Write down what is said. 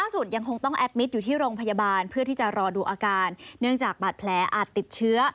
สุดยังคงต้องแอดมิตรอยู่ที่โรงพยาบาลเพื่อที่จะรอดูอาการเนื่องจากบาดแผลอาจติดเชื้อ